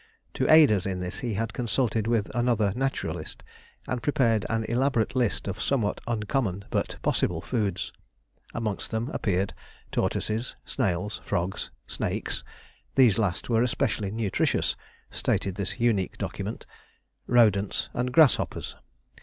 To aid us in this he had consulted with another naturalist, and prepared an elaborate list of somewhat uncommon but possible foods. Amongst them appeared tortoises, snails, frogs, snakes these last were especially nutritious, stated this unique document rodents, and grasshoppers.